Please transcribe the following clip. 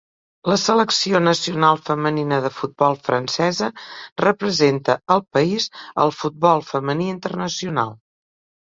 La selecció nacional femenina de futbol francesa representa el país al futbol femení internacional.